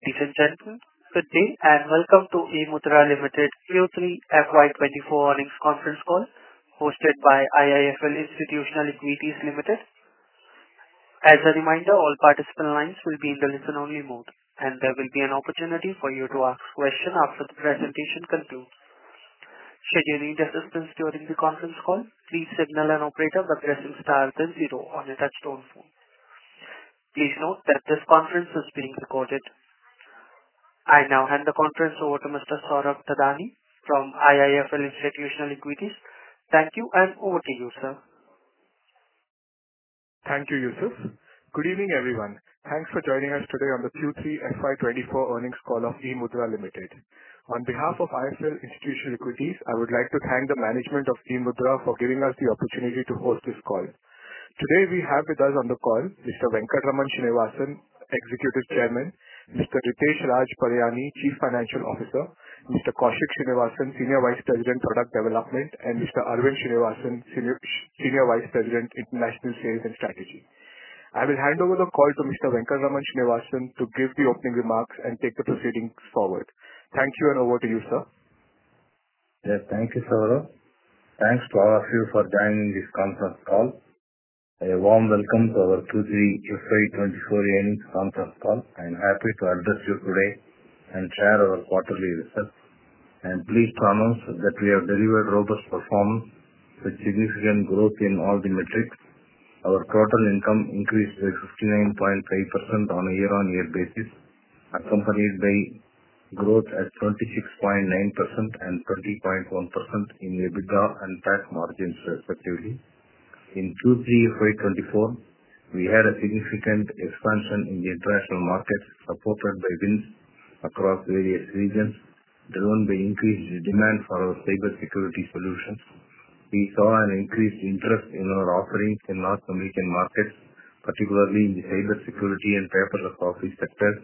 Ladies and gentlemen, good day, and welcome to eMudhra Limited Q3 FY 2024 earnings conference call, hosted by IIFL Institutional Equities Limited. As a reminder, all participant lines will be in the listen-only mode, and there will be an opportunity for you to ask questions after the presentation concludes. Should you need assistance during the conference call, please signal an operator by pressing star then zero on your touchtone phone. Please note that this conference is being recorded. I now hand the conference over to Mr. Saurabh Thadani from IIFL Institutional Equities. Thank you, and over to you, sir. Thank you, Yusuf. Good evening, everyone. Thanks for joining us today on the Q3 FY 2024 earnings call of eMudhra Limited. On behalf of IIFL Institutional Equities, I would like to thank the management of eMudhra for giving us the opportunity to host this call. Today, we have with us on the call Mr. Venkataraman Srinivasan, Executive Chairman; Mr. Ritesh Raj Paryani, Chief Financial Officer; Mr. Kaushik Srinivasan, Senior Vice President, Product Development; and Mr. Arvind Srinivasan, Senior Vice President, International Sales and Strategy. I will hand over the call to Mr. Venkataraman Srinivasan to give the opening remarks and take the proceedings forward. Thank you, and over to you, sir. Yes, thank you, Saurabh. Thanks to all of you for joining this conference call. A warm welcome to our Q3 FY 2024 earnings conference call. I'm happy to address you today and share our quarterly results. I'm pleased to announce that we have delivered robust performance with significant growth in all the metrics. Our total income increased by 59.5% on a year-on-year basis, accompanied by growth at 26.9% and 30.1% in EBITDA and PAT margins respectively. In Q3 FY 2024, we had a significant expansion in the international markets, supported by wins across various regions, driven by increased demand for our cybersecurity solutions. We saw an increased interest in our offerings in North American markets, particularly in the cybersecurity and paperless office sectors.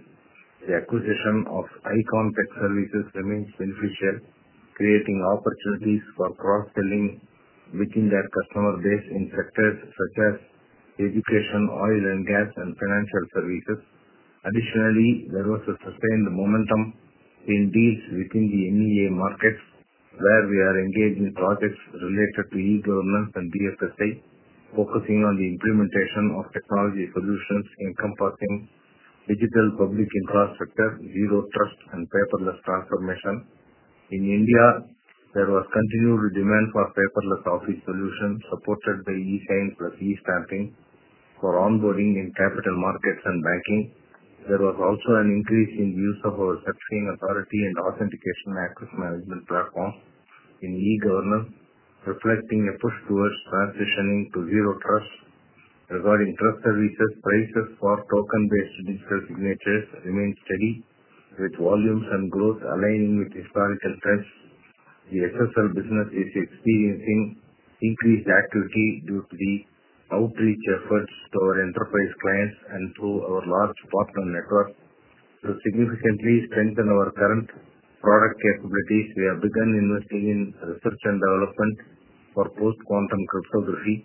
The acquisition of Ikon Tech Services remains beneficial, creating opportunities for cross-selling within their customer base in sectors such as education, oil and gas, and financial services. Additionally, there was a sustained momentum in deals within the MEA markets, where we are engaged in projects related to e-government and DS State, focusing on the implementation of technology solutions encompassing Digital Public Infrastructure, Zero Trust, and paperless transformation. In India, there was continued demand for paperless office solutions, supported by eSign plus e-stamping for onboarding in capital markets and banking. There was also an increase in use of our tax authority and authentication access management platform in e-government, reflecting a push towards transitioning to Zero Trust. Regarding trust services, prices for token-based digital signatures remain steady, with volumes and growth aligning with historical trends. The SSL business is experiencing increased activity due to the outreach efforts to our enterprise clients and through our large partner network. To significantly strengthen our current product capabilities, we have begun investing in research and development for post-quantum cryptography.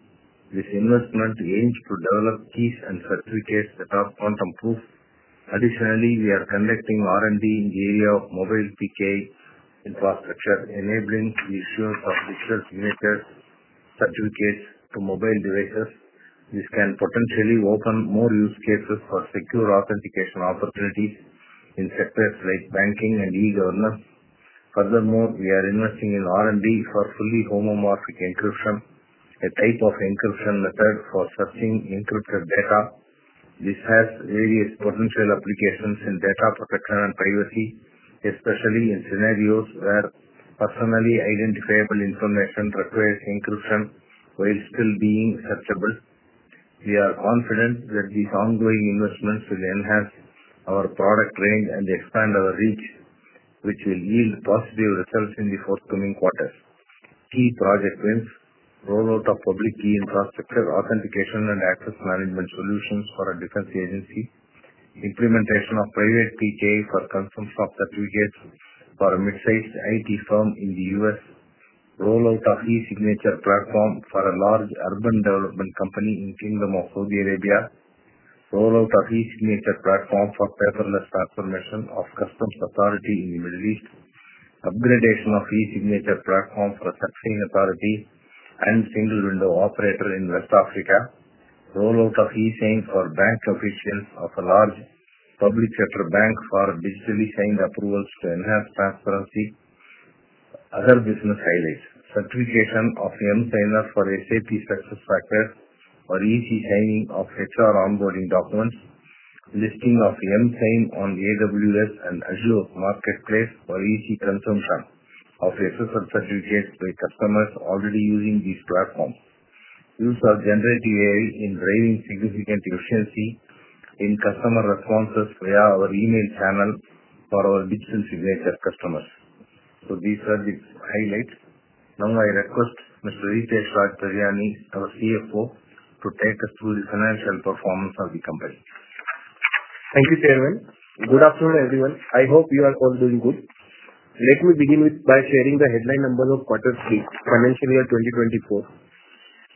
This investment aims to develop keys and certificates that are quantum-proof. Additionally, we are conducting R&D in the area of mobile PKI infrastructure, enabling the issue of digital signature certificates to mobile devices. This can potentially open more use cases for secure authentication opportunities in sectors like banking and e-governance. Furthermore, we are investing in R&D for fully homomorphic encryption, a type of encryption method for searching encrypted data. This has various potential applications in data protection and privacy, especially in scenarios where personally identifiable information requires encryption while still being searchable. We are confident that these ongoing investments will enhance our product range and expand our reach, which will yield positive results in the forthcoming quarters. Key project wins: rollout of public key infrastructure, authentication, and access management solutions for a defense agency. Implementation of private PKI for consent of certificates for a mid-sized IT firm in the U.S. Rollout of e-signature platform for a large urban development company in Kingdom of Saudi Arabia. Rollout of e-signature platform for paperless transformation of customs authority in the Middle East. Upgradation of e-signature platform for success authority and single window operator in West Africa. Rollout of e-sign for bank officials of a large public sector bank for digitally signed approvals to enhance transparency. Other business highlights: certification of emSigner for SAP SuccessFactors for easy signing of HR onboarding documents, listing of emSign on AWS and Azure Marketplace for easy consumption of SSL certificates by customers already using these platforms. Use of generative AI in driving significant efficiency in customer responses via our email channel for our business signature customers. So these are the highlights. Now, I request Mr. Ritesh Raj Pariyani, our CFO, to take us through the financial performance of the company. Thank you, Chairman. Good afternoon, everyone. I hope you are all doing good. Let me begin with by sharing the headline numbers of quarter three, financial year 2024.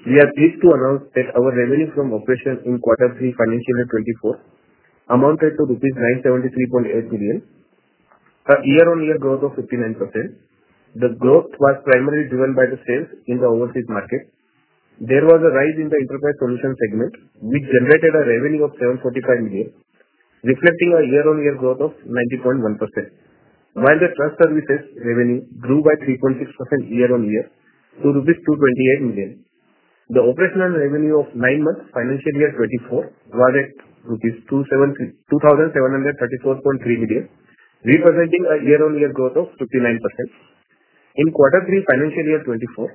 We are pleased to announce that our revenue from operations in quarter three, financial year 2024, amounted to rupees 973.8 million, a year-on-year growth of 59%. The growth was primarily driven by the sales in the overseas market. There was a rise in the enterprise solution segment, which generated a revenue of 745 million, reflecting a year-on-year growth of 90.1%, while the trust services revenue grew by 3.6% year-on-year to INR 228 million. The operational revenue of nine months, financial year 2024, was at 2,734.3 billion, representing a year-on-year growth of 59%. In quarter 3, financial year 2024,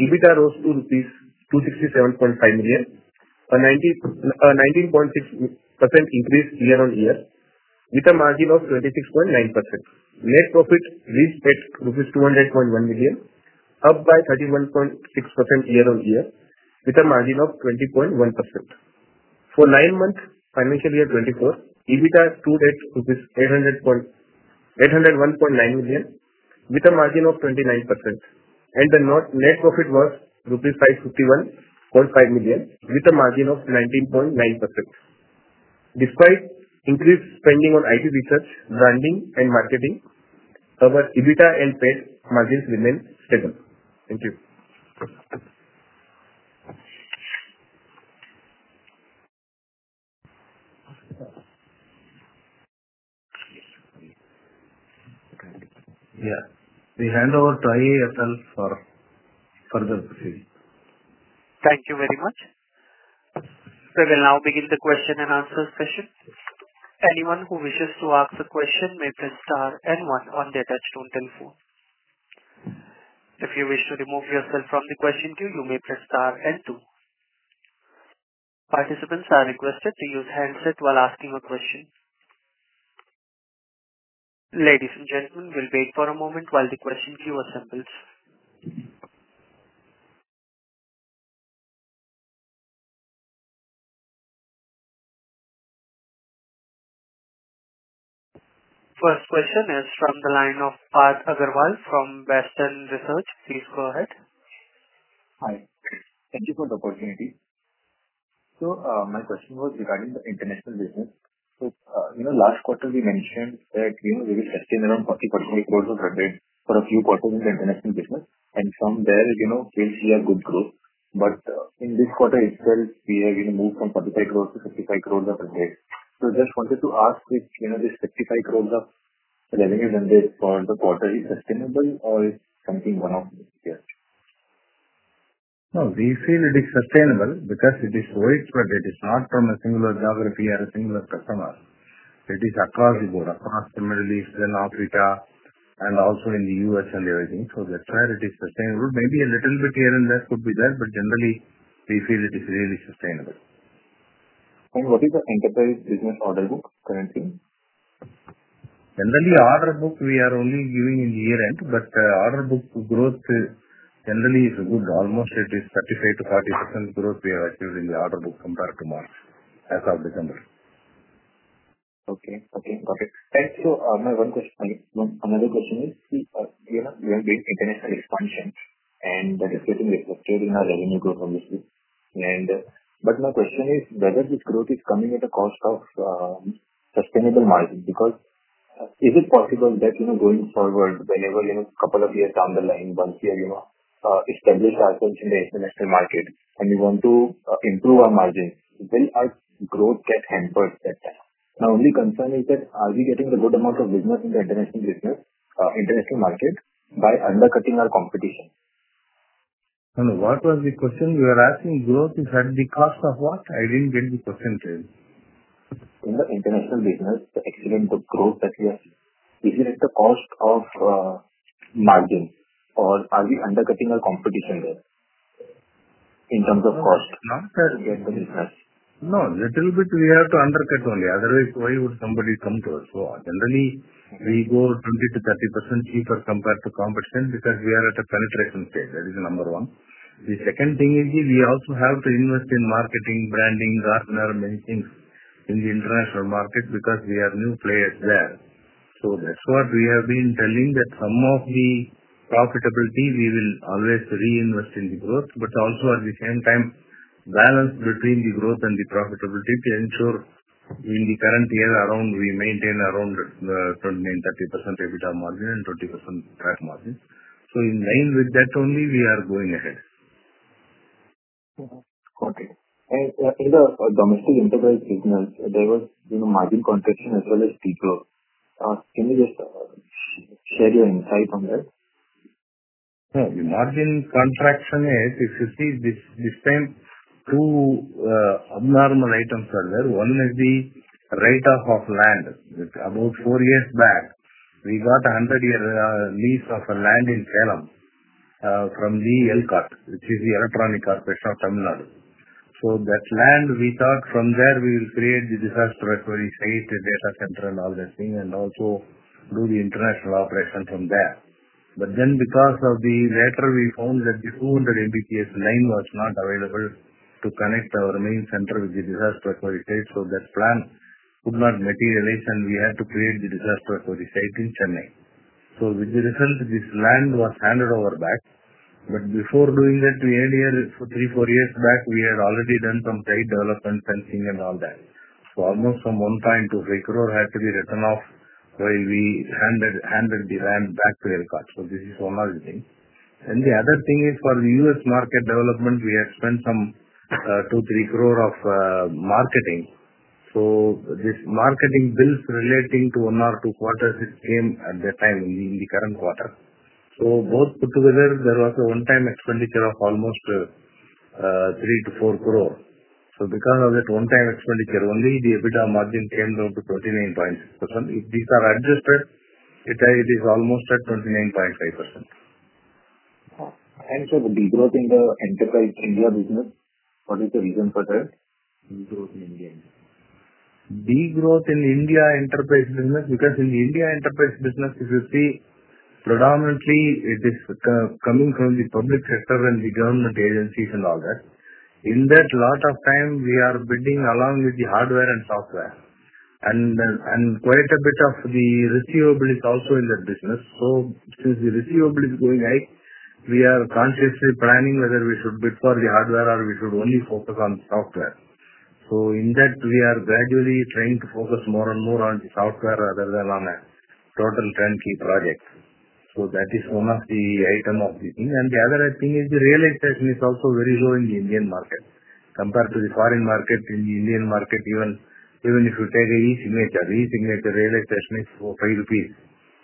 EBITDA rose to rupees 267.5 million, a 19.6% increase year-on-year, with a margin of 26.9%. Net profits reached 200.1 million rupees, up by 31.6% year-on-year, with a margin of 20.1%. For nine months, financial year 2024, EBITDA stood at 801.9 million, with a margin of 29%, and net profit was rupee 551.5 million, with a margin of 19.9%. Despite increased spending on IT research, branding, and marketing, our EBITDA and PAT margins remain stable. Thank you. Yeah. We hand over to Q&A itself for further proceed. Thank you very much. We will now begin the question and answer session. Anyone who wishes to ask a question may press star and one on the attached telephone. If you wish to remove yourself from the question queue, you may press star and two. Participants are requested to use handset while asking a question. Ladies and gentlemen, we'll wait for a moment while the question queue assembles. First question is from the line of Parth Agarwal from Systematix Institutional Equities. Please go ahead. Hi. Thank you for the opportunity. My question was regarding the international business. You know, last quarter we mentioned that, you know, we were searching around 45 crore of revenue for a few quarters in the international business, and from there, you know, we see a good growth. But, in this quarter itself, we are going to move from 45 crore-55 crore of revenue. Just wanted to ask which, you know, this 55 crore of revenue generated for the quarter is sustainable or it's something one-off? Yeah. No, we feel it is sustainable because it is wide, but it is not from a single geography or a single customer. It is across the board, across Middle East and Africa, and also in the U.S. and everything. So that's why it is sustainable. Maybe a little bit here and there could be there, but generally, we feel it is really sustainable. What is the enterprise business order book currently? Generally, order book, we are only giving in year-end, but, order book growth, generally is good. Almost it is 35%-40% growth we have achieved in the order book compared to March as of December. Okay. Okay, got it. Thank you. My one question, one another question is, you know, we have been international expansion, and that is certainly reflected in our revenue growth obviously. But my question is, whether this growth is coming at a cost of sustainable margin? Because is it possible that, you know, going forward, whenever, you know, couple of years down the line, once we are, you know, established ourselves in the international market and we want to improve our margin, will our growth get hampered that time? My only concern is that are we getting the good amount of business in the international business, international market, by undercutting our competition? What was the question? You are asking, growth is at the cost of what? I didn't get the percentage. In the international business, the growth that we have, is it at the cost of margin or are we undercutting our competition there in terms of cost? No, a little bit we have to undercut only; otherwise, why would somebody come to us? So generally, we go 20%-30% cheaper compared to competition, because we are at a penetration stage. That is number one. The second thing is, we also have to invest in marketing, branding, partner, many things in the international market, because we are new players there. So that's what we have been telling, that some of the profitability we will always reinvest in the growth, but also at the same time, balance between the growth and the profitability to ensure in the current year around, we maintain around 29%-30% EBITDA margin and 20% profit margin. So in line with that only, we are going ahead. Okay. In the domestic enterprise business, there was, you know, margin contraction as well as de-growth. Can you just share your insight on that? No, the margin contraction is, if you see this, this time, two abnormal items are there. One is the write-off of land. About four years back, we got a 100-year lease of a land in Salem from the ELCOT, which is the Electronics Corporation of Tamil Nadu. So that land, we thought from there we will create the disaster recovery site, the data center, and all that thing, and also do the international operation from there. But then because of the later we found that the 200 Mbps line was not available to connect our main center with the disaster recovery site. So that plan could not materialize, and we had to create the disaster recovery site in Chennai. So with the result, this land was handed over back, but before doing that, we earlier, so 3-4 years back, we had already done some site development fencing and all that. So almost 1-5 crore had to be written off, where we handed the land back to ELCOT. So this is one of the thing. And the other thing is for the US market development, we had spent some, 2-3 crore of, marketing. So this marketing bills relating to 1-2 quarters, it came at that time in, in the current quarter. So both put together, there was a one-time expenditure of almost, 3-4 crore. So because of that one-time expenditure, only the EBITDA margin came down to 39.6%. If these are adjusted, it is almost at 29.5%. The degrowth in the Enterprise India business, what is the reason for the degrowth in India? Degrowth in India Enterprise business, because in India, Enterprise business, if you see, predominantly it is coming from the public sector and the government agencies and all that. In that lot of time, we are bidding along with the hardware and software, and then, and quite a bit of the receivable is also in that business. So since the receivable is going high, we are consciously planning whether we should bid for the hardware or we should only focus on software. So in that, we are gradually trying to focus more and more on the software rather than on a total turnkey project. So that is one of the item of the thing. And the other thing is the realization is also very low in the Indian market. Compared to the foreign market, in the Indian market, even if you take a e-signature, e-signature realization is for 5 rupees.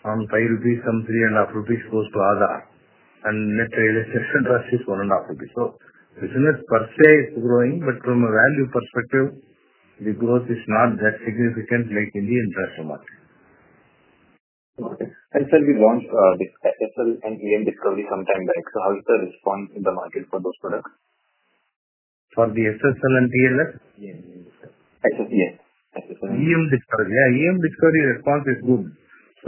On 5 rupees, some 3.5 rupees goes to Aadhaar, and net realization is 1.5 rupees. So business per se is growing, but from a value perspective, the growth is not that significant like in the international market. Okay. And sir, we want this SSL and emDiscovery sometime back. So how is the response in the market for those products? For the SSL and TLS? Yeah, SSL. emDiscovery. Yeah, emDiscovery response is good.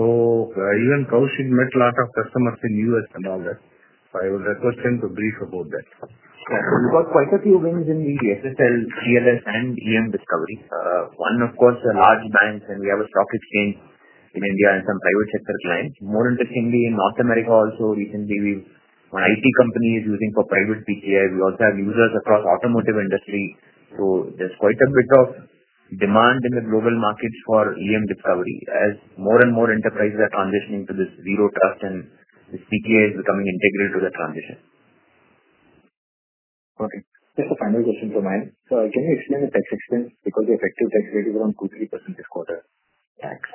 Even Kaushik met a lot of customers in U.S. and all that. I will request him to brief about that. Sure. We've got quite a few wins in the SSL, TLS, and emDiscovery. One, of course, a large banks, and we have a stock exchange in India, and some private sector clients. More interestingly, in North America also, recently, we one IT company is using for private PKI. We also have users across automotive industry. So there's quite a bit of demand in the global markets for emDiscovery, as more and more enterprises are transitioning to this Zero Trust, and this PKI is becoming integrated to the transition. Okay. Just a final question from mine. So can you explain the tax expense, because the effective tax rate is around 2-3% this quarter? Thanks.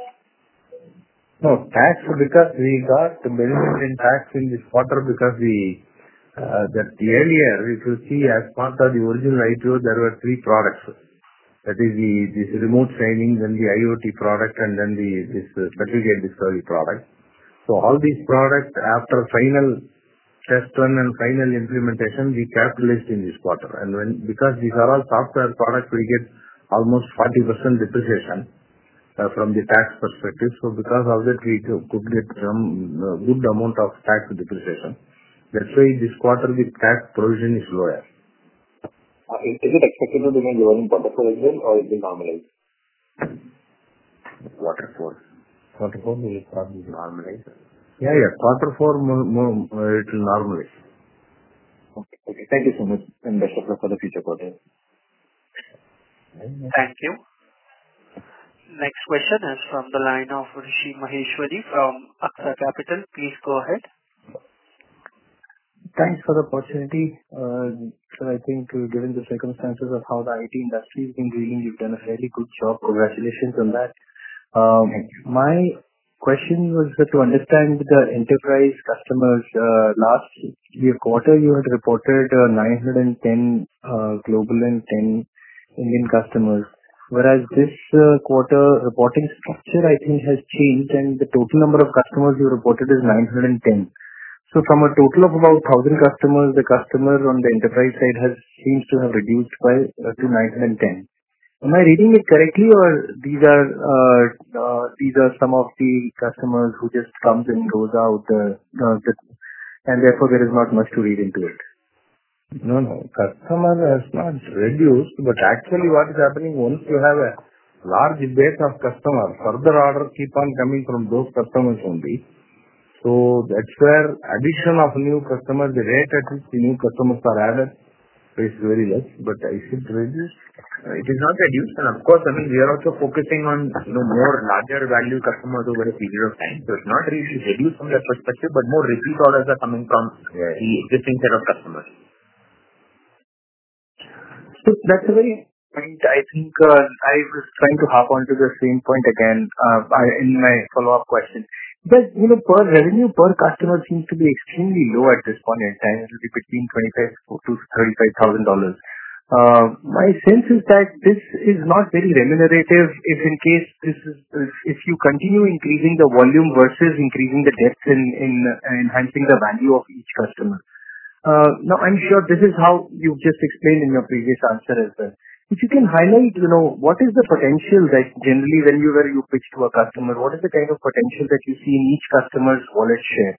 No, tax, because we got the minimum in tax in this quarter, because that earlier, if you see as part of the original IPO, there were three products. That is the, this remote signing, then the IoT product, and then the, this certificate discovery product. So all these products, after final test run and final implementation, we capitalized in this quarter. And when-- because these are all software products, we get almost 40% depreciation, from the tax perspective. So because of that, we could get some, good amount of tax depreciation. That's why this quarter, the tax provision is lower. Is it expected to remain lower in quarter four as well, or it will normalize? Quarter four. Quarter four will probably normalize. Yeah, yeah, quarter four, more, more, it'll normalize. Okay. Thank you so much, and best of luck for the future quarter. Thank you. Next question is from the line of Rishi Maheshwari from Aksa Capital. Please go ahead. Thanks for the opportunity. So I think given the circumstances of how the IT industry has been doing, you've done a fairly good job. Congratulations on that. My question was that to understand the enterprise customers, last year quarter, you had reported, 910 global and 10 Indian customers. Whereas this quarter reporting structure, I think, has changed, and the total number of customers you reported is 910. So from a total of about 1,000 customers, the customer on the enterprise side has seems to have reduced by to 910. Am I reading it correctly, or these are these are some of the customers who just come and goes out, and therefore, there is not much to read into it? No, no. Customers has not reduced, but actually what is happening, once you have a large base of customers, further orders keep on coming from those customers only. So that's where addition of new customers, the rate at which the new customers are added is very less, but I think reduced- It is not reduced, and of course, I mean, we are also focusing on, you know, more larger value customers over a period of time. So it's not really reduced from that perspective, but more repeat orders are coming from- Yeah - the existing set of customers. So that's a very point, I think, I was trying to hop onto the same point again, by, in my follow-up question. But, you know, per revenue, per customer seems to be extremely low at this point in time. It will be between $25,000-$35,000. My sense is that this is not very remunerative, if in case this is... If you continue increasing the volume versus increasing the depth in, enhancing the value of each customer. Now, I'm sure this is how you've just explained in your previous answer as well. If you can highlight, you know, what is the potential that generally when you, when you pitch to a customer, what is the kind of potential that you see in each customer's wallet share?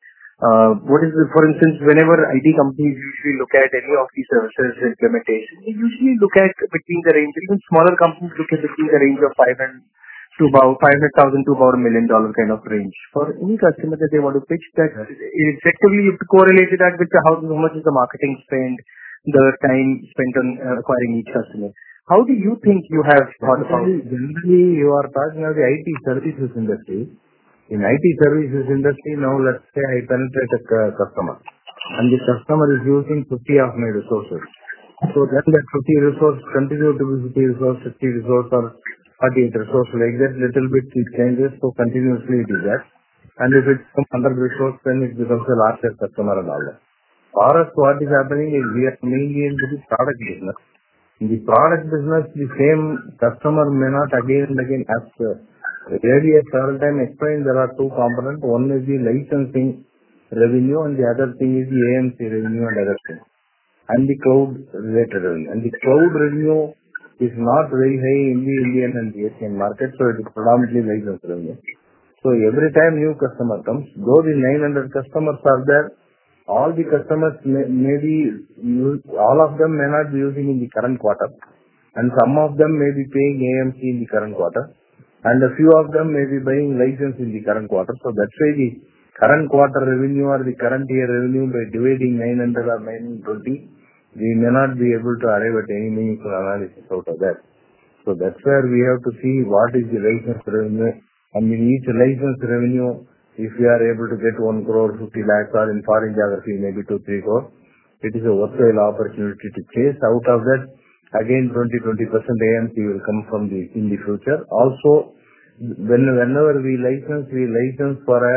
What is the... For instance, whenever IT companies usually look at any of these services implementation, they usually look at between the range, even smaller companies, which is between the range of 5 and to about $500,000 to about $1 million kind of range. For any customer that they want to pitch that, effectively, you've to correlate that with the how, how much is the marketing spend, the time spent on, acquiring each customer. How do you think you have thought about- Generally, you are talking about the IT services industry. In IT services industry, now let's say I penetrate a customer, and the customer is using 50 of my resources. So then that 50 resource continue to be 50 resource, 50 resource or 30 resource, like that little bit it changes, so continuously it does that. And if it's from 100 resource, then it becomes a larger customer and all that. For us, what is happening is we are mainly into the product business. In the product business, the same customer may not again and again ask. Earlier, several time explained there are two components: one is the licensing revenue and the other thing is the AMC revenue and other thing, and the cloud related revenue. And the cloud revenue is not very high in the Indian and the Asian market, so it is predominantly license revenue. So every time new customer comes, though the 900 customers are there, all the customers may be using all of them may not be using in the current quarter, and some of them may be paying AMC in the current quarter, and a few of them may be buying license in the current quarter. So that's why the current quarter revenue or the current year revenue, by dividing 900 or 920, we may not be able to arrive at any meaningful analysis out of that. So that's where we have to see what is the license revenue. And in each license revenue, if we are able to get 1.5 crore or in foreign geography, maybe 2-4 crore, it is a worthwhile opportunity to chase. Out of that, again, 20, 20% AMC will come from them in the future. Also, whenever we license, we license for a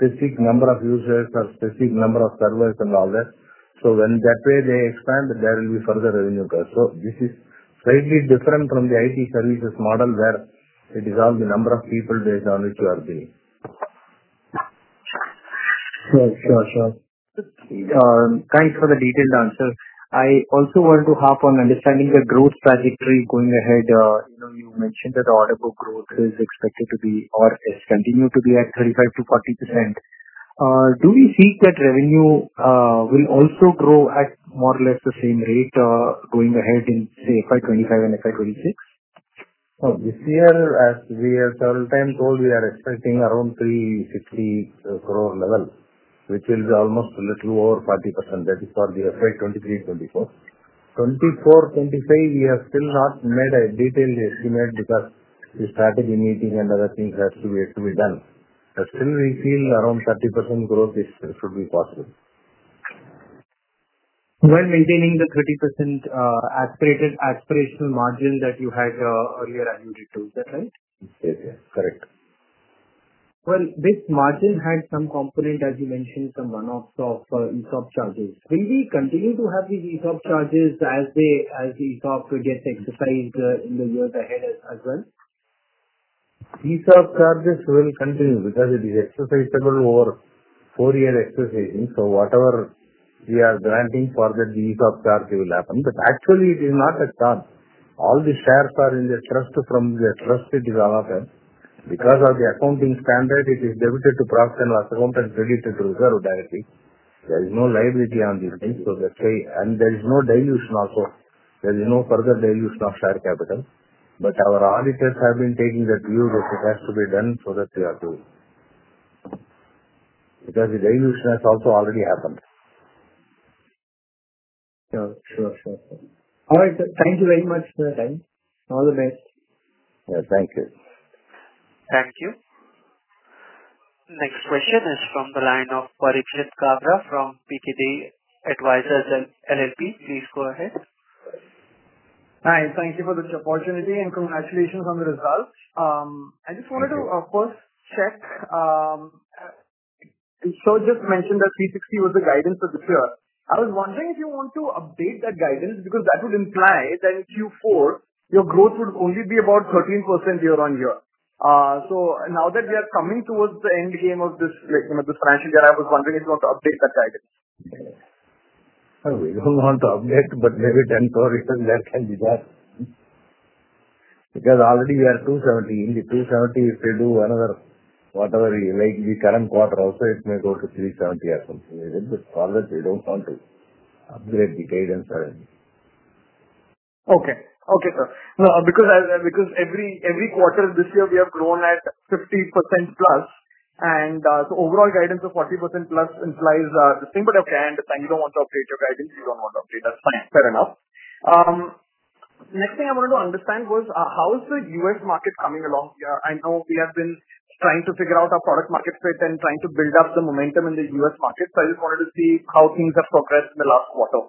specific number of users or specific number of servers and all that, so when that way they expand, there will be further revenue growth. So this is slightly different from the IT services model, where it is all the number of people based on which you are billing. Sure, sure, sure. Thanks for the detailed answer. I also want to hop on understanding the growth trajectory going ahead. You know, you mentioned that the order book growth is expected to be or has continued to be at 35%-40%. Do we see that revenue will also grow at more or less the same rate going ahead in, say, FY 2025 and FY 2026? Oh, this year, as we have several times told, we are expecting around 360 crore level, which will be almost a little over 40%. That is for the FY 2023-2024. 2024-2025, we have still not made a detailed estimate because the strategy meeting and other things has to be, has to be done. But still we feel around 30% growth is, should be possible. When maintaining the 30% aspirational margin that you had earlier alluded to. Is that right? Yes, yes, correct. Well, this margin had some component, as you mentioned, some one-off of ESOP charges. Will we continue to have these ESOP charges as the ESOP gets exercised in the years ahead as well? ESOP charges will continue because it is exercisable over four-year exercising, so whatever we are granting for that, the ESOP charge will happen. But actually it is not a charge. All the shares are in the trust from the trust it is all of them. Because of the accounting standard, it is debited to profit and loss account and credited to reserve directly. There is no liability on this thing, so that's why. And there is no dilution also. There is no further dilution of share capital, but our auditors have been taking that view that it has to be done, so that we are doing. Because the dilution has also already happened. Sure, sure, sure. All right, sir. Thank you very much for your time. All the best. Yeah, thank you. Thank you. Next question is from the line of Parikshit Kabra from Pkeday Advisors LLP. Please go ahead. Hi, and thank you for this opportunity, and congratulations on the results. I just- Thank you. I wanted to first check. So just mentioned that 360 was the guidance for this year. I was wondering if you want to update that guidance, because that would imply that in Q4, your growth would only be about 13% year-on-year. So now that we are coming towards the end game of this, like, you know, this financial year, I was wondering if you want to update that guidance. We don't want to update, but maybe 10% less can be there. Because already we are 270, in the 270, if we do another, whatever, like the current quarter also it may go to 370 or something. But for that, we don't want to upgrade the guidance already. Okay. Okay, sir. No, because every quarter this year we have grown at 50% plus, and so overall guidance of 40% plus implies the same. But okay, and you don't want to update your guidance, you don't want to update. That's fine. Fair enough. Next thing I wanted to understand was how is the U.S. market coming along? Yeah, I know we have been trying to figure out our product market fit and trying to build up the momentum in the U.S. market, so I just wanted to see how things have progressed in the last quarter.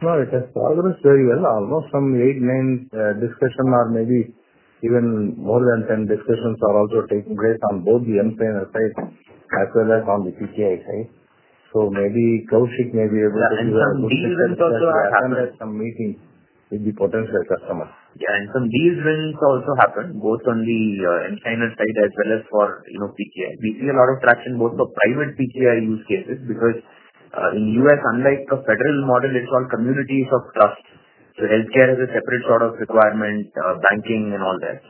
Well, it has progressed very well. Some 8, 9 discussions or maybe even more than 10 discussions are also taking place on both the end seller side, as well as on the PTI side. So maybe Kaushik may be able to- Some deal wins also happened- some meetings with the potential customers. Yeah, and some deal wins also happened both on the end seller side as well as for, you know, PKI. We see a lot of traction both for private PKI use cases because in U.S., unlike the federal model, it's all communities of trust. So healthcare is a separate sort of requirement, banking and all that.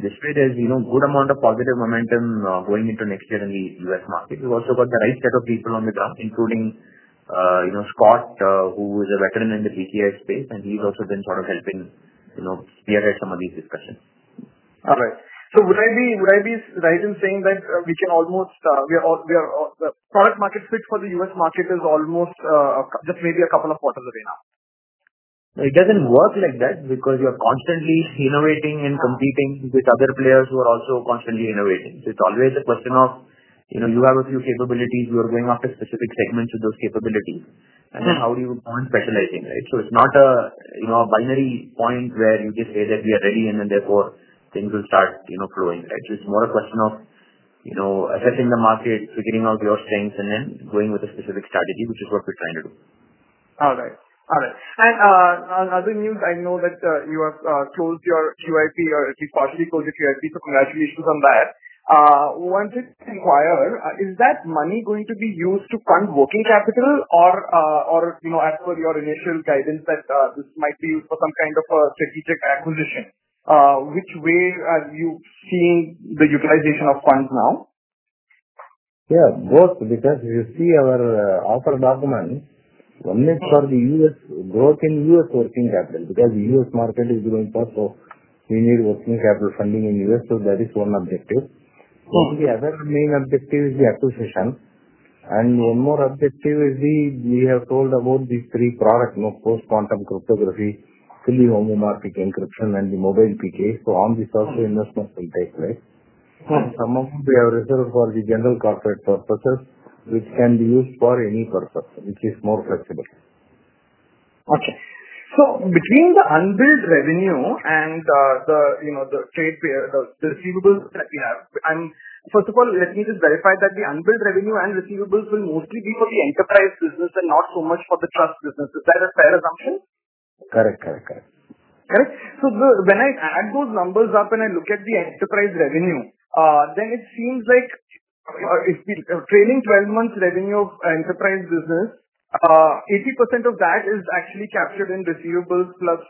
Despite there's, you know, good amount of positive momentum going into next year in the U.S. market, we've also got the right set of people on the ground, including, you know, Scott, who is a veteran in the PKI space, and he's also been sort of helping, you know, steer at some of these discussions. right. So would I be right in saying that product-market fit for the US market is almost just maybe a couple of quarters away now? It doesn't work like that because you are constantly innovating and competing with other players who are also constantly innovating. So it's always a question of, you know, you have a few capabilities, you are going after specific segments with those capabilities- -And then how do you go on specializing, right? So it's not a, you know, a binary point where you just say that we are ready and then therefore things will start, you know, flowing, right? So it's more a question of, you know, assessing the market, figuring out your strengths, and then going with a specific strategy, which is what we're trying to do. All right. All right. On other news, I know that you have closed your QIP, or at least partially closed your QIP, so congratulations on that. Wanted to inquire, is that money going to be used to fund working capital or, or you know, as per your initial guidance, that this might be used for some kind of a strategic acquisition? Which way are you seeing the utilization of funds now? Yeah, both, because if you see our offer document, one is for the U.S. growth in U.S. working capital, because the U.S. market is growing fast, so we need working capital funding in U.S., so that is one objective. The other main objective is the acquisition, and one more objective is the... We have told about the three product, you know, Post-Quantum Cryptography, Fully Homomorphic Encryption, and the mobile PKI, so on the software investment type, right? Some of them we have reserved for the general corporate purposes, which can be used for any purpose, which is more flexible. Okay. So between the unbilled revenue and, you know, the trade pay, the receivables that you have. First of all, let me just verify that the unbilled revenue and receivables will mostly be for the enterprise business and not so much for the trust business. Is that a fair assumption? Correct, correct, correct. Correct? So when I add those numbers up and I look at the enterprise revenue, then it seems like, if the trailing twelve months revenue of enterprise business, 80% of that is actually captured in receivables plus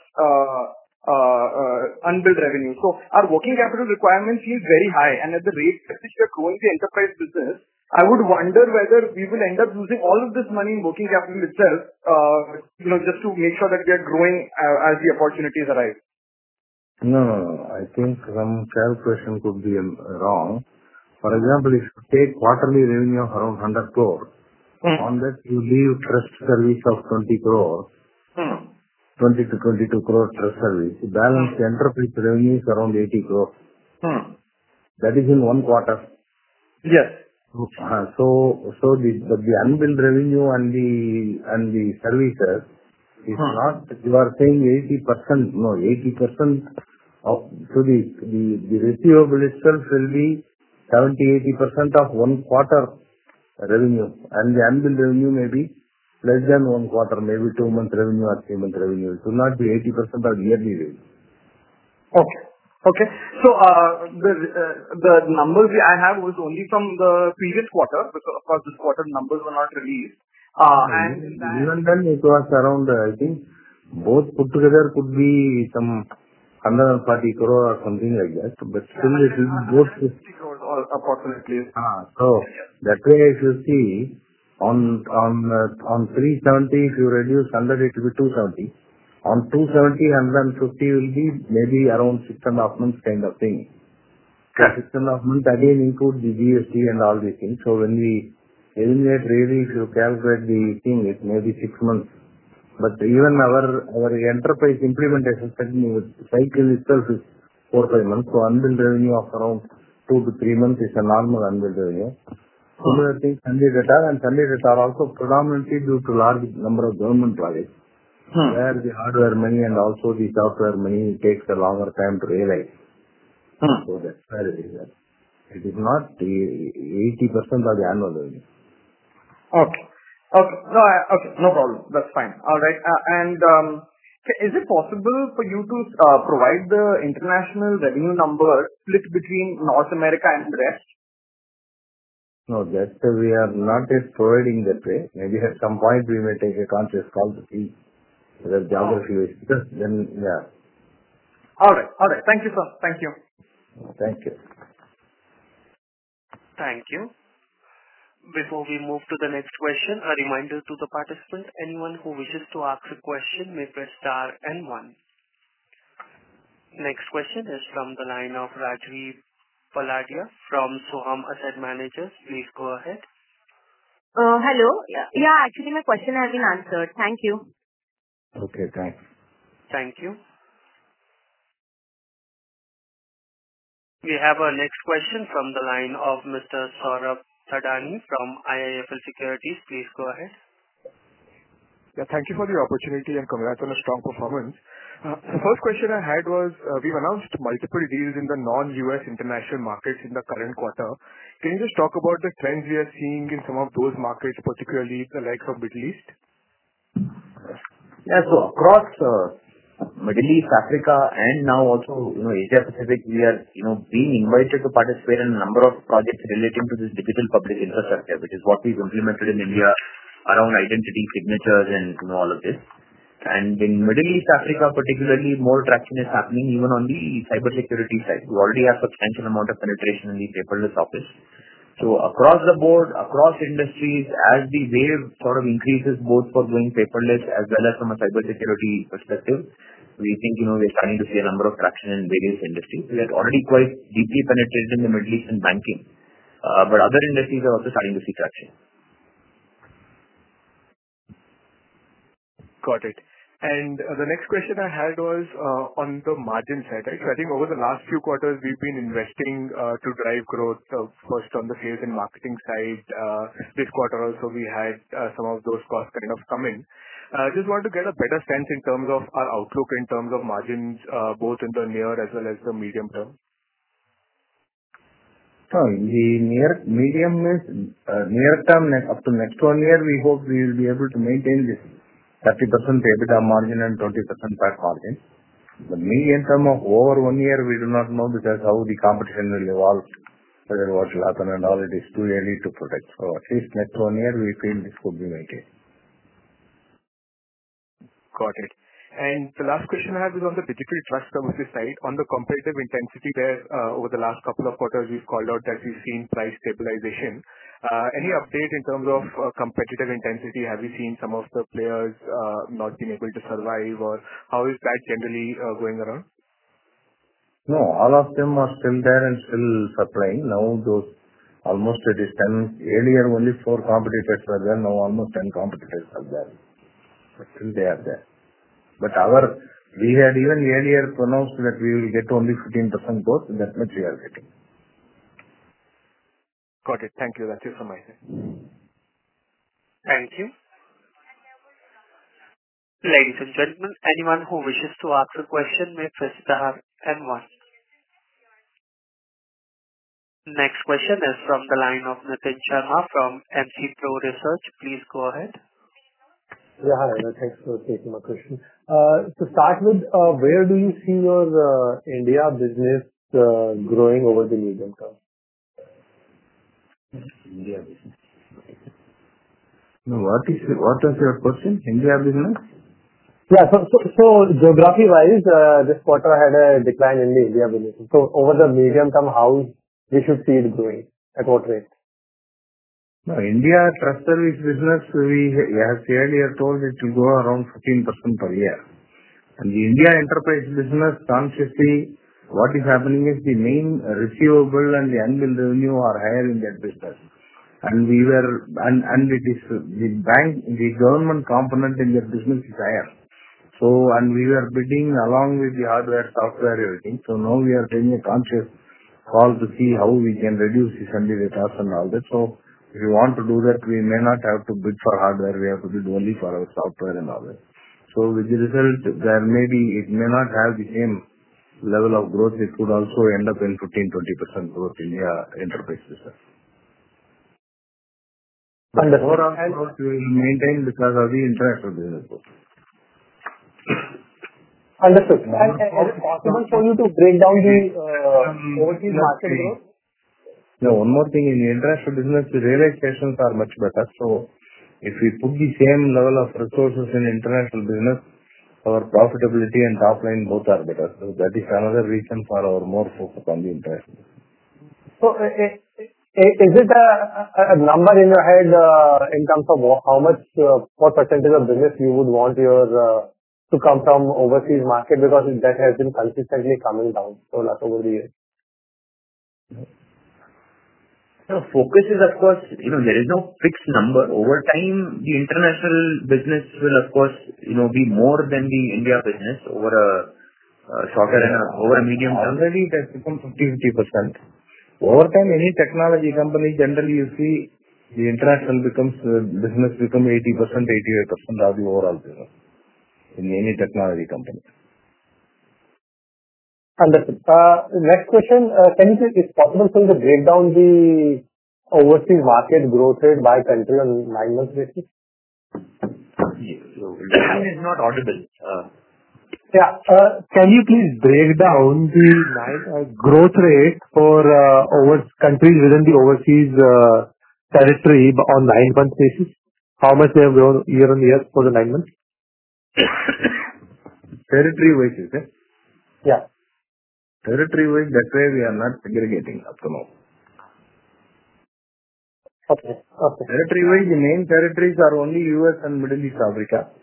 unbilled revenue. So our working capital requirement seems very high, and at the rate at which we are growing the enterprise business, I would wonder whether we will end up using all of this money in working capital itself, you know, just to make sure that we are growing as the opportunities arise. No, no, no. I think some calculation could be wrong. For example, if you take quarterly revenue of around 100 crore. On that, you give trust service of 20 crore. 20-22 crore trust service. The balance, the enterprise revenue is around 80 crore. That is in one quarter. Yes. So, the unbilled revenue and the services you are saying 80%. No, 80% of, so the receivable itself will be 70%-80% of one quarter revenue, and the unbilled revenue may be less than one quarter, maybe two-month revenue or three-month revenue. It should not be 80% of yearly revenue. Okay. Okay. So, the numbers I have was only from the previous quarter, because, of course, this quarter numbers are not released, and- Even then, it was around, I think, both put together could be some INR 140 crore or something like that, but still it is both- Approximately, uh. So that way, if you see, on 370, if you reduce 100, it will be 270. On 270, 150 will be maybe around 6.5 months kind of thing. Correct. 6.5 months again include the GST and all these things. So when we eliminate GST, if you calculate the time, it may be 6 months. But even our, our enterprise implementation cycle itself is 4-5 months, so unbilled revenue of around 2-3 months is a normal unbilled revenue. Mm-hmm. That is sundry debtors, and sundry debtors are also predominantly due to large number of government projects- Mm-hmm. where the hardware money and also the software money takes a longer time to realize. Mm-hmm. That is it. It is not 80% of the annual revenue. Okay. Okay. No, I... Okay, no problem. That's fine. All right, and so is it possible for you to provide the international revenue number split between North America and the rest? No, that we are not yet providing that way. Maybe at some point we may take a conscious call to see whether geography is, because then, yeah. All right. All right. Thank you, sir. Thank you. Thank you. Thank you. Before we move to the next question, a reminder to the participants, anyone who wishes to ask a question may press star and one. Next question is from the line of Rajvi Palladia from Svan Investment Managers. Please go ahead. Hello. Yeah, actually, my question has been answered. Thank you. Okay, thanks. Thank you. We have our next question from the line of Mr. Saurabh Thadani from IIFL Institutional Equities. Please go ahead. Yeah, thank you for the opportunity, and congrats on the strong performance. The first question I had was, we've announced multiple deals in the non-U.S. international markets in the current quarter. Can you just talk about the trends we are seeing in some of those markets, particularly the likes of Middle East? Yeah. So across, Middle East, Africa, and now also, you know, Asia Pacific, we are, you know, being invited to participate in a number of projects relating to this digital public infrastructure, which is what we've implemented in India around identity, signatures, and you know, all of this. And in Middle East, Africa particularly, more traction is happening even on the cybersecurity side. We already have substantial amount of penetration in the Paperless Office. So across the board, across industries, as the wave sort of increases, both for going paperless as well as from a cybersecurity perspective, we think, you know, we're starting to see a number of traction in various industries. We are already quite deeply penetrated in the Middle East and banking, but other industries are also starting to see traction. Got it. The next question I had was, on the margin side. I think over the last few quarters we've been investing, to drive growth, first on the sales and marketing side. This quarter also, we had, some of those costs kind of come in. Just want to get a better sense in terms of our outlook, in terms of margins, both in the near as well as the medium term. The near, medium is near term, up to next one year, we hope we will be able to maintain this 30% EBITDA margin and 20% profit margin. The medium term of over one year, we do not know, because how the competition will evolve, whether what should happen and all, it is too early to predict. So at least next one year, we feel this could be maintained. Got it. The last question I have is on the digital trust services side, on the competitive intensity there. Over the last couple of quarters, we've called out that we've seen price stabilization. Any update in terms of, competitive intensity? Have you seen some of the players, not being able to survive, or how is that generally, going around? No, all of them are still there and still supplying. Now, almost it is 10. Earlier, only four competitors were there. Now, almost 10 competitors are there. But still they are there. But our—we had even earlier pronounced that we will get only 15% growth, and that's what we are getting. Got it. Thank you. That's it from my side. Thank you. Ladies and gentlemen, anyone who wishes to ask a question may press star and one. Next question is from the line of Nitin Sharma from MC Pro Research. Please go ahead. Yeah, hi, thanks for taking my question. To start with, where do you see your India business growing over the medium term? India business. Now, what is the- what was your question? India business? Yeah. So geography-wise, this quarter had a decline in the India business. So over the medium term, how we should see it growing, at what rate? Now, India trust service business, we have earlier told it to grow around 15% per year. The India enterprise business, consciously, what is happening is the main receivable and the annual revenue are higher in that business. And it is the bank, the government component in that business is higher, so and we were bidding along with the hardware, software, everything. So now we are taking a conscious call to see how we can reduce this and all that. So if we want to do that, we may not have to bid for hardware, we have to bid only for our software and all that. So with the result, there may be it may not have the same level of growth. It could also end up in 15%-20% growth India enterprise business. Understood. Overall growth, we will maintain because of the international business. Understood. Is it possible for you to break down the overseas market growth? No. One more thing, in international business, the realizations are much better. So if we put the same level of resources in international business, our profitability and top line both are better. So that is another reason for our more focus on the international. So, is it a number in your head, in terms of how much, what percentage of business you would want your to come from overseas market? Because that has been consistently coming down for the last over the years. The focus is, of course, you know, there is no fixed number. Over time, the international business will, of course, you know, be more than the India business over a shorter and over a medium term. Already that's become 50-50%. Over time, any technology company, generally, you see, the international business become 80%, 88% of the overall business, in any technology company. Understood. Next question. Is it possible for you to break down the overseas market growth rate by country on nine months basis? The line is not audible. Yeah. Can you please break down the 9 growth rate for over countries within the overseas territory on 9-month basis? How much we have grown year-on-year for the 9 months? Territory-wise, you said? Yeah. Territory-wise, that's why we are not segregating up to now. Okay. Okay. Territory-wise, the main territories are only U.S. and Middle East, Africa.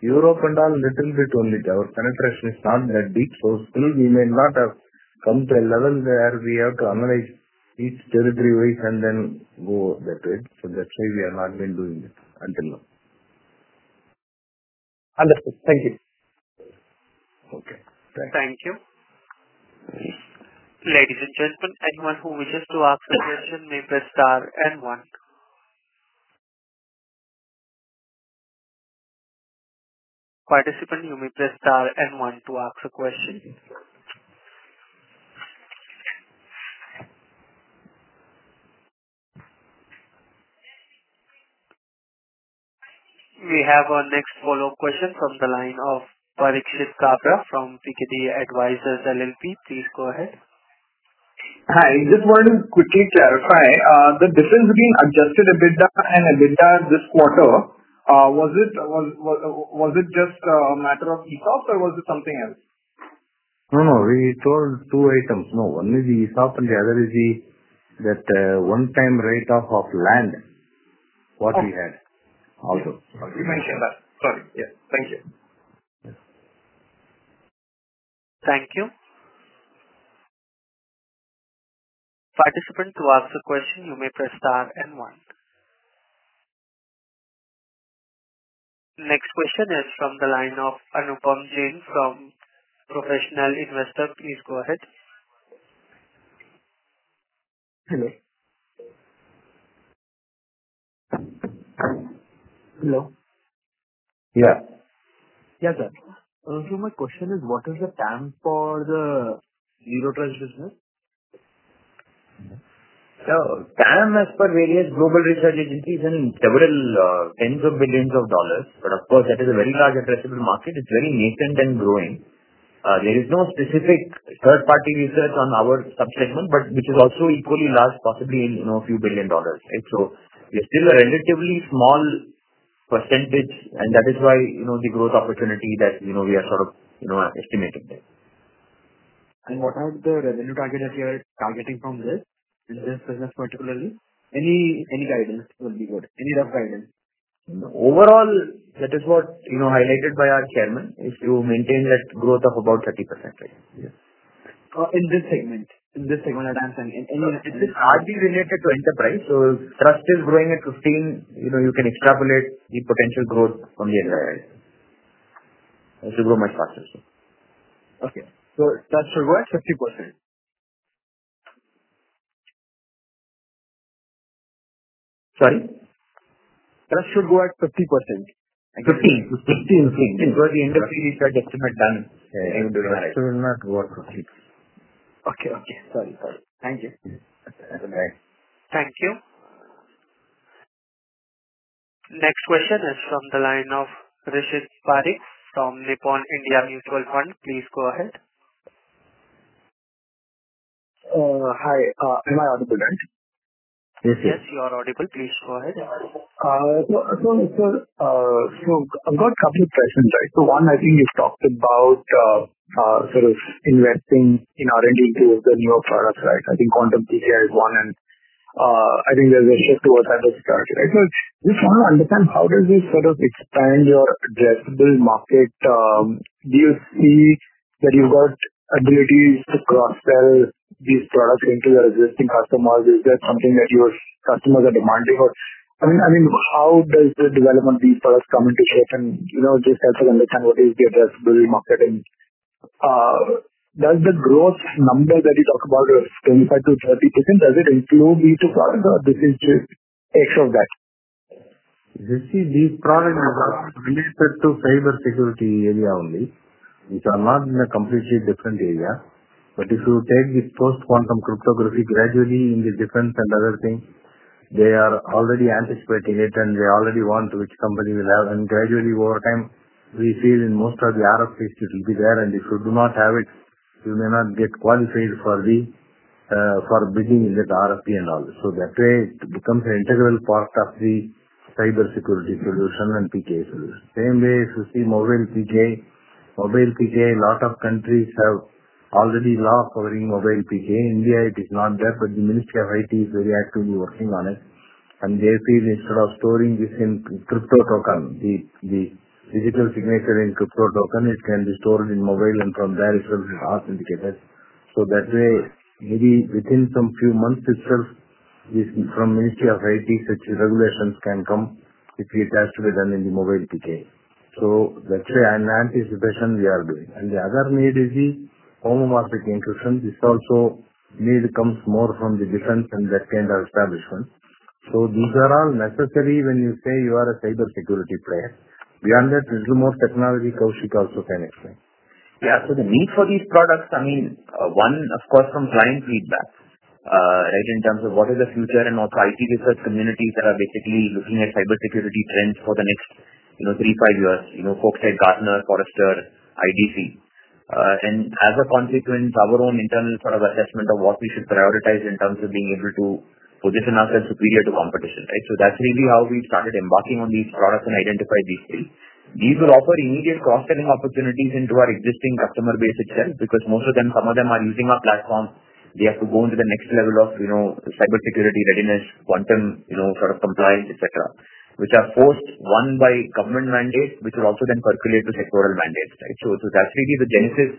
Europe and all, little bit only. Our penetration is not that deep, so still we may not have come to a level where we have to analyze each territory-wise and then go that way. So that's why we have not been doing it until now. Understood. Thank you. Okay. Thank you. Ladies and gentlemen, anyone who wishes to ask a question may press star and one. Participant, you may press star and one to ask a question. We have our next follow-up question from the line of Parikshit Kabra from MK Ventures. Please go ahead. Hi. I just wanted to quickly clarify the difference between adjusted EBITDA and EBITDA this quarter. Was it just a matter of ESOPs or was it something else? No, no, we told two items. No, one is the ESOP, and the other is the, that, one-time write-off of land, what we had. Okay. Also. You mentioned that. Sorry. Yeah. Thank you. Yes. Thank you. Participant, to ask the question, you may press star and one. Next question is from the line of Anupam Jain from Professional Investor. Please go ahead. Hello? Hello. Yeah. Yeah, sir. So my question is: what is the TAM for the Zero Trust business? So TAM, as per various global research agencies, and several tens of $ billions, but of course, that is a very large addressable market. It's very nascent and growing. There is no specific third-party research on our segment, but which is also equally large, possibly in, you know, a few $ billion, right? So we are still a relatively small percentage, and that is why, you know, the growth opportunity that, you know, we are sort of, you know, estimating there. What are the revenue target that you are targeting from this, this business particularly? Any, any guidance would be good. Any rough guidance. Overall, that is what, you know, highlighted by our chairman. If you maintain that growth of about 30%, right? Yeah. In this segment, any- This is hardly related to enterprise, so trust is growing at 15. You know, you can extrapolate the potential growth from the other areas. It should grow much faster, so. Okay. So that should grow at 50%? Sorry? That should grow at 50%. Fifteen, fifteen. Because the industry research estimate done in the- It will not grow at 50. Okay, okay. Sorry, sorry. Thank you. Have a good night. Thank you. Next question is from the line of Rishit Parikh from Nippon India Mutual Fund. Please go ahead. Hi. Am I audible, right? Yes, you are audible. Please go ahead. So I've got a couple of questions, right? So one, I think you've talked about sort of investing in R&D into the newer products, right? I think Quantum PKI is one, and I think there's a shift towards that sort, right? So we want to understand how does this sort of expand your addressable market? Do you see that you've got ability to cross-sell these products into your existing customers? Is that something that your customers are demanding for? I mean, how does the development of these products come into shape, and you know, just help us understand what is the addressable market, and does the growth number that you talk about 25%-30%, does it include these two products, or this is just extra that? You see, these products are related to cybersecurity area only. These are not in a completely different area. But if you take the post-quantum cryptography gradually in the defense and other thing, they are already anticipating it, and they already want which company will have. And gradually, over time, we feel in most of the RFPs it will be there, and if you do not have it, you may not get qualified for the, for bidding in that RFP at all. So that way, it becomes an integral part of the cybersecurity solution and PKI solution. Same way, if you see mobile PKI, mobile PKI, lot of countries have already law covering mobile PKI. India, it is not there, but the Ministry of IT is very actively working on it, and they feel instead of storing this in crypto token, the digital signature in crypto token, it can be stored in mobile, and from there it should be authenticated. So that way, maybe within some few months itself, this from Ministry of IT, such regulations can come if it has to be done in the mobile PKI. So that's an anticipation we are doing. And the other need is the homomorphic encryption. This also need comes more from the defense and that kind of establishment. So these are all necessary when you say you are a cybersecurity player. Beyond that, little more technology, Kaushik also can explain. Yeah, so the need for these products, I mean, one, of course, from client feedback, like in terms of what is the future, and also IT research communities that are basically looking at cybersecurity trends for the next, you know, 3, 5 years. You know, folks like Gartner, Forrester, IDC. And as a consequence, our own internal sort of assessment of what we should prioritize in terms of being able to position ourself superior to competition, right? So that's really how we started embarking on these products and identify these things. These will offer immediate cross-selling opportunities into our existing customer base itself, because most of them, some of them, are using our platform. They have to go into the next level of, you know, cybersecurity readiness, quantum, you know, sort of, compliance, et cetera, which are forced, one, by government mandate, which will also then percolate to sectoral mandates, right? So, so that's really the genesis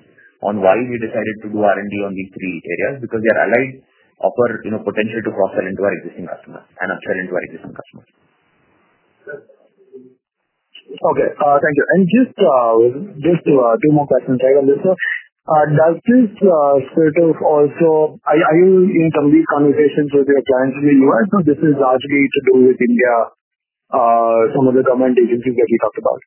on why we decided to do R&D on these three areas, because they are aligned, offer, you know, potential to cross-sell into our existing customers and upsell into our existing customers. Okay, thank you. And just two more questions right on this one. Does this sort of also... Are you in complete conversations with your clients in the U.S., or this is largely to do with India, some of the government agencies that we talked about?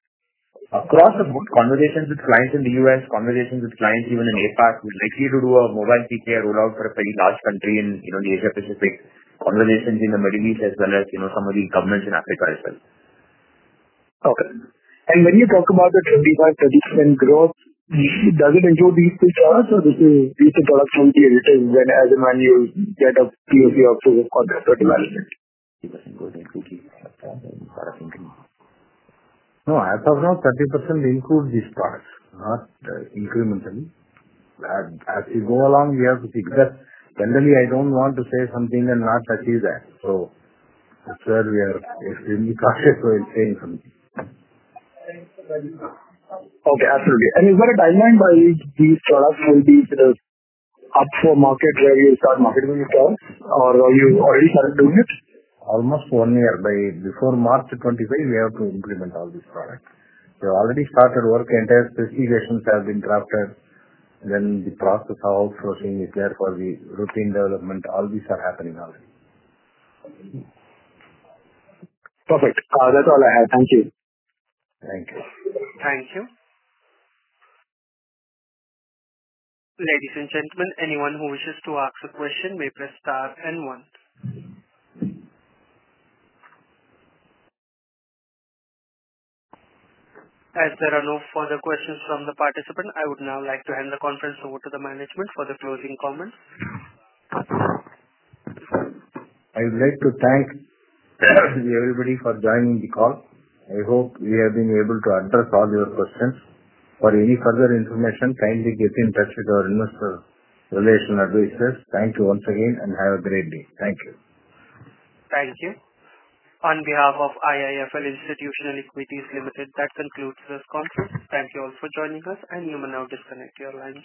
Across the conversations with clients in the U.S., conversations with clients even in APAC, we'd likely to do a mobile PKI roll out for a very large country in, you know, the Asia Pacific, conversations in the Middle East, as well as, you know, some of these governments in Africa itself. Okay. And when you talk about the 25%-30% growth, does it include these two products, or this is these two products only, and then as and when you get a PoC or contract for development? No, as of now, 30% include these products, not incrementally. As we go along, we have to see, because generally, I don't want to say something and not achieve that. So that's where we are extremely cautious while saying something. Okay, absolutely. You've got a timeline by which these products will be, sort of, up for market, where you'll start marketing it out, or are you already started doing it? Almost 1 year. By before March 25, we have to implement all these products. We've already started work, entire specifications have been drafted, then the process of approaching is there for the routine development. All these are happening already. Perfect. That's all I have. Thank you. Thank you. Thank you. Ladies and gentlemen, anyone who wishes to ask a question may press star and one. As there are no further questions from the participant, I would now like to hand the conference over to the management for the closing comments. I would like to thank everybody for joining the call. I hope we have been able to address all your questions. For any further information, kindly get in touch with our investor relation advisors. Thank you once again, and have a great day. Thank you. Thank you. On behalf of IIFL Institutional Equities Limited, that concludes this conference. Thank you all for joining us, and you may now disconnect your lines.